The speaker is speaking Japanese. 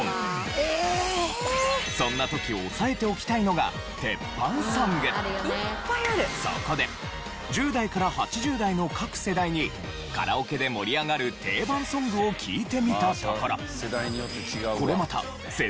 そんな時押さえておきたいのがそこで１０代から８０代の各世代にカラオケで盛り上がる定番ソングを聞いてみたところ